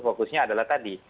fokusnya adalah tadi